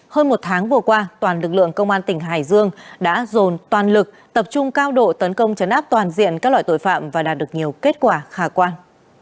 hơn một tháng vừa qua toàn lực lượng công an tỉnh hải dương đã dồn toàn lực tập trung cao độ tấn công chấn áp toàn diện các loại tội phạm và đạt được nhiều kết quả khả quan